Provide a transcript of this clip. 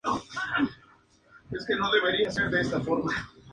El proyecto es llamado "Colón Puerto Libre".